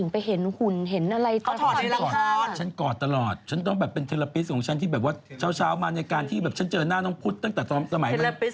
พุทธเนี่ยนะตีหน้าเอากำลังตีดีเนอะ